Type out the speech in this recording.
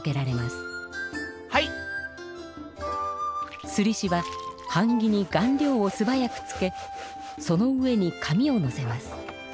すりしははん木に顔料をすばやくつけその上に紙をのせます。